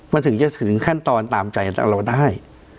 มันถึงจะถึงขั้นตอนตามใจเราได้